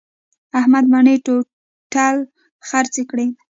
احمد مڼې ټوټل خرڅې کړلې.